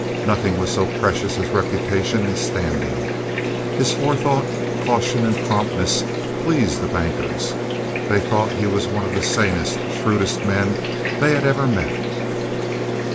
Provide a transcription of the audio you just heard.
Nothing was so precious as reputation and standing. His forethought, caution, and promptness pleased the bankers. They thought he was one of the sanest, shrewdest men they had ever met.